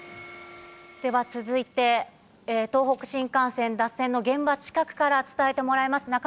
では続いて東北新幹線脱線の現場近くから伝えてもらえます。